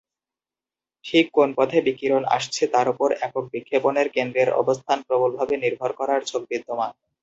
ঠিক কোন পথে বিকিরণ আসছে তার উপর একক বিক্ষেপণের কেন্দ্রের অবস্থান প্রবলভাবে নির্ভর করার ঝোঁক বিদ্যমান।